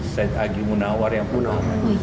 said agi munawar yang punah